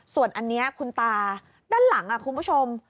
ส่วนอันนี้คุณตาด้านหลังคุณผู้ชม